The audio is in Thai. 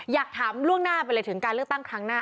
อยากถามล่วงหน้าไปเลยถึงการเลือกตั้งครั้งหน้า